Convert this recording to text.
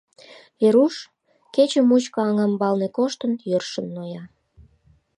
Веруш, кече мучко аҥамбалне коштын, йӧршын ноя.